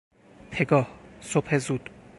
پگاه، صبح زود